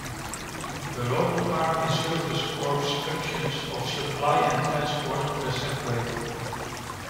The Royal Army Service Corps' functions of supply and transport were separated.